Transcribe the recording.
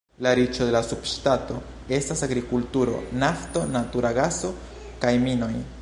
La riĉo de la subŝtato estas agrikulturo, nafto, natura gaso kaj minoj.